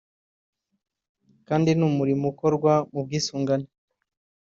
kandi ni umurimo ukorwa mu bwisungane